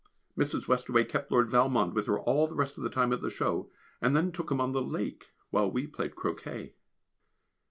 Mrs. Westaway kept Lord Valmond with her all the rest of the time at the show, and then took him on the lake while we played croquet.